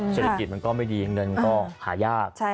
เศรษฐกิจมันก็ไม่ดีเงินก็หายาก